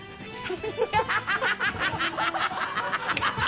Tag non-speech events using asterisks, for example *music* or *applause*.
ハハハ *laughs*